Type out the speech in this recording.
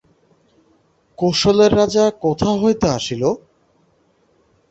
কোশলের রাজা কোথা হইতে আসিল?